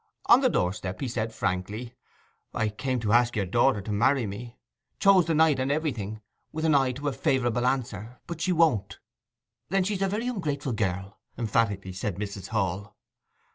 On the doorstep he said frankly—'I came to ask your daughter to marry me; chose the night and everything, with an eye to a favourable answer. But she won't.' 'Then she's a very ungrateful girl!' emphatically said Mrs. Hall.